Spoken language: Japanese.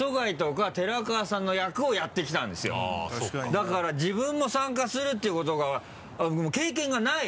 だから自分も参加するっていうことがもう経験がない！